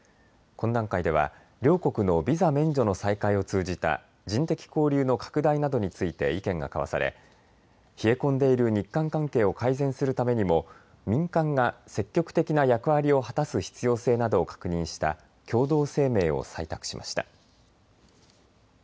懇談会では両国のビザ免除の再開を通じた人的交流の拡大などについて意見が交わされ冷え込んでいる日韓関係を改善するためにも民間が積極的な役割を果たす必要性などを確認した共同声明を採択しました。